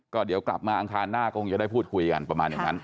ก็เดี๋ยวกลับมาอังคารหน้าก็คงจะได้พูดคุยกันประมาณอย่างนั้น